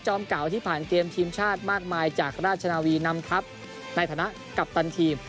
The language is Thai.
เก่าที่ผ่านเกมทีมชาติมากมายจากราชนาวีนำทัพในฐานะกัปตันทีม